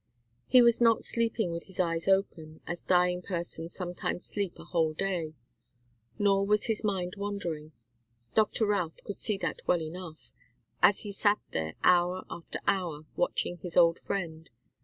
He was not sleeping with his eyes open, as dying persons sometimes sleep a whole day. Nor was his mind wandering. Doctor Routh could see that well enough, as he sat there hour after hour, watching his old friend.